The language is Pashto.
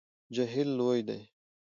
جهیل لوی دی